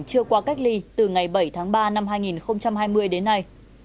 chưa qua cách ly từ ngày bảy tháng ba năm hai nghìn hai mươi đến nay